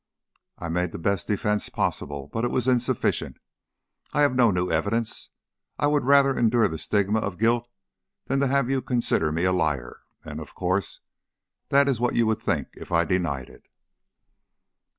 I made the best defense possible, but it was insufficient. I have no new evidence. I would rather endure the stigma of guilt than have you consider me a liar, and, of course, that is what you would think if I denied it."